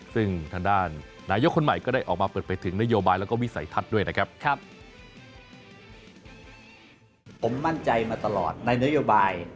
ซึ่งทางด้านนายโยคคนใหม่ก็ได้ออกมาเปิดไปถึงนโยบายและวิสัยทัศน์ด้วยนะครับ